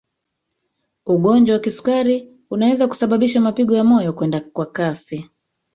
ugonjwa wa kisukari unaweza kusababisha mapigo ya moyo kwenda kwa kasi